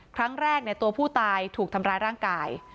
ครั้งแรกตัวผู้ตายถูกทำร้ายร่างกาย